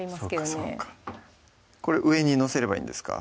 あぁそっかそっかこれ上に載せればいいんですか？